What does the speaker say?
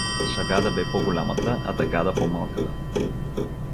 Шагада бе по-голямата, а Дагада — по-малката.